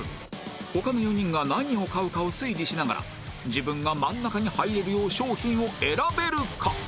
他の４人が何を買うかを推理しながら自分が真ん中に入れるよう商品を選べるか？